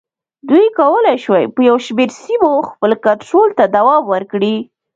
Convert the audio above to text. دوی کولای شوای په یو شمېر سیمو خپل کنټرول ته دوام ورکړي.